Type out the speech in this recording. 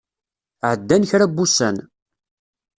Ɛeddan kra n wussan.